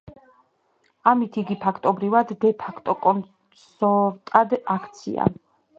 ამით იგი ფაქტობრივად დე ფაქტო კონსორტად აქცია.